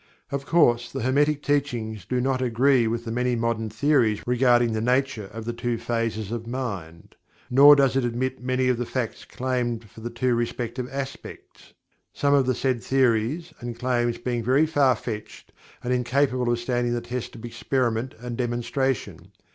Of course the Hermetic Teachings do not agree with the many modern theories regarding the nature of the two phases of mind, nor does it admit many of the facts claimed for the two respective aspects some of the said theories and claims being very far fetched and incapable of standing the test of experiment and demonstration.